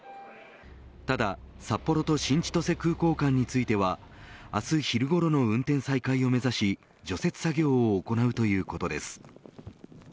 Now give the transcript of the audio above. ただ、札幌と新千歳空港間については明日昼ごろの運転再開を目指し除雪作業を行うということです。